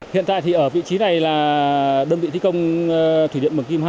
hiện tại thì ở vị trí này là đơn vị thi công thủy điện mường kim hai